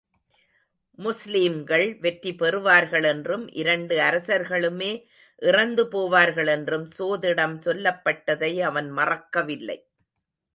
முஸ்லீம்கள் வெற்றி பெறுவார்கள் என்றும் இரண்டு அரசர்களுமே இறந்து போவார்களென்றும், சோதிடம் சொல்லப்பட்டதை அவன் மறக்கவில்லை.